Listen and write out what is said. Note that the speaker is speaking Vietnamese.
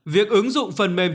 việc ứng dụng phần mềm